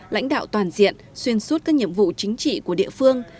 lãnh đạo toàn diện xuyên suốt các nhiệm vụ chính trị của địa phương